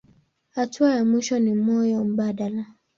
Hatua ya mwisho ni moyo mbadala.